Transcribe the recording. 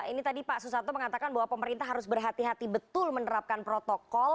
ini tadi pak susanto mengatakan bahwa pemerintah harus berhati hati betul menerapkan protokol